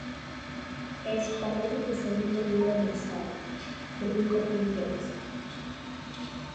Es parte del segundo libro Masada, ""The Book of Angels"".